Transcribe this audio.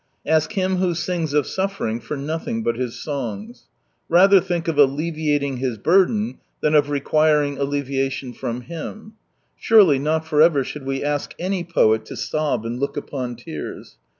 Ask him who sings of suffering for nothing but his songs. Rather think of alleviating his burden than of requiring alleviatipn from him. Surely not for ever should we ask any poet to sob and look upon tears.